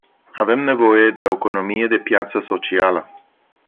Avem nevoie de o economie de piață socială.